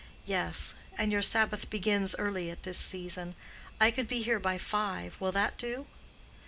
"Yes; and your Sabbath begins early at this season. I could be here by five—will that do?"